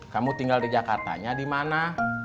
kamu tinggal di jakartanya di mana